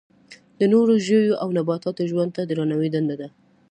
د نورو ژویو او نباتاتو ژوند ته درناوی دنده ده.